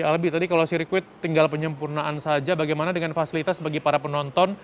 albi tadi kalau sirkuit tinggal penyempurnaan saja bagaimana dengan fasilitas bagi para penonton